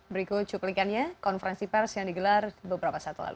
berikut cuplikannya konferensi pers yang digelar beberapa saat lalu